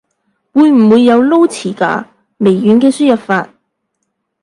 會唔會有撈詞㗎？微軟嘅輸入法